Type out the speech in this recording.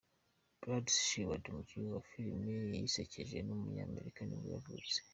Brad Sherwood, umukinnyi wa filime zisekeje w’umunyamerika nibwo yavutse.